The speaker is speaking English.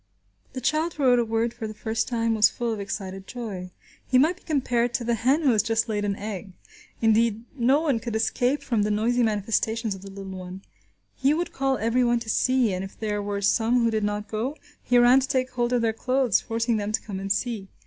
The child who wrote a word for the first time was full of excited joy. He might be compared to the hen who has just laid an egg. Indeed, no one could escape from the noisy manifestations of the little one. He would call everyone to see, and if there were some who did not go, he ran to take hold of their clothes forcing them to come and see.